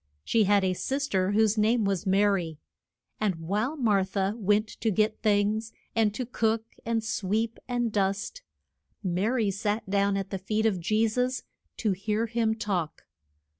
She had a sis ter, whose name was Ma ry, and while Mar tha went to get things and to cook, and sweep, and dust, Ma ry sat down at the feet of Je sus to hear him talk.